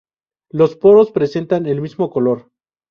Los poros presentan el mismo color.